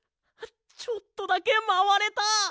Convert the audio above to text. ちょっとだけまわれた！